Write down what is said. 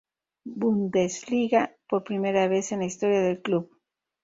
Bundesliga por primera vez en la historia del club.